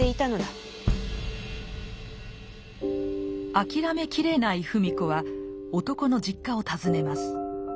諦めきれない芙美子は男の実家を訪ねます。